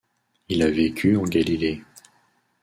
Il a vécu en Galilée.